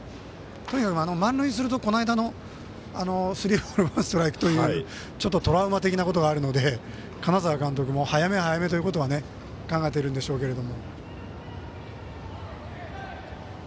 とにかく満塁にするとこの間のスリーボールワンストライクというトラウマ的なことがあるので金沢監督も早め早めということは考えてるんでしょうけど。